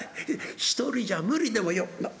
１人じゃ無理でもよなっ